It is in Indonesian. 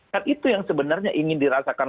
kan itu yang sebenarnya ingin dirasakan